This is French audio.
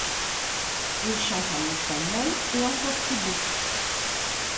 Il chante en espagnol et en portugais.